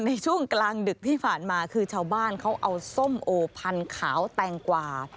ในช่วงกลางดึกที่ผ่านมาคือชาวบ้านเขาเอาส้มโอพันขาวแตงกว่า